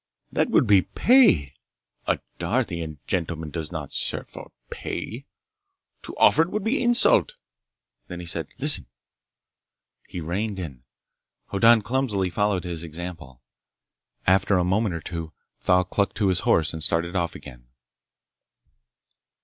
"That would be pay! A Darthian gentleman does not serve for pay! To offer it would be insult!" Then he said, "Listen!" He reined in. Hoddan clumsily followed his example. After a moment or two Thal clucked to his horse and started off again.